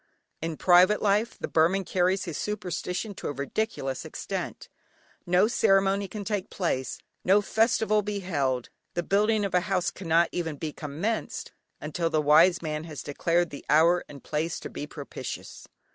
In private life the Burman carries his superstition to a ridiculous extent. No ceremony can take place, no festival be held, the building of a house cannot even be commenced until the wise man has declared the hour and place to be propitious.